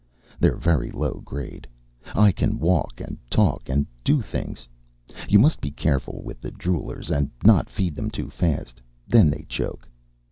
They're very low grade. I can walk, and talk, and do things. You must be careful with the droolers and not feed them too fast. Then they choke.